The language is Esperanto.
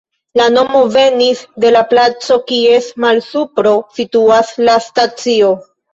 La nomo venis de la placo, kies malsupro situas la stacio.